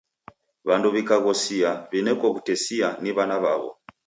W'andu w'ikaghosia w'ineko w'utesia ni w'ana w'aw'o.